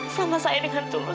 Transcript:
saya gak mau kehilangan ibu aku